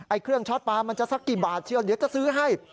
เครื่องช็อตปลามันจะสักกี่บาทเชียวเดี๋ยวจะซื้อให้